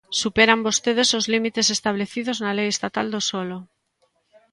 Superan vostedes os límites establecidos na lei estatal do solo.